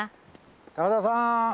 高田さん。